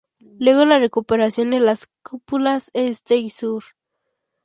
Luego, la recuperación de las cúpulas Este y Sur.